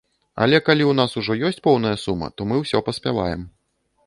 Але калі ў нас ужо ёсць поўная сума, то мы ўсё паспяваем.